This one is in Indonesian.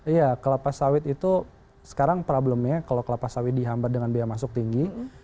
iya kelapa sawit itu sekarang problemnya kalau kelapa sawit dihambat dengan biaya masuk tinggi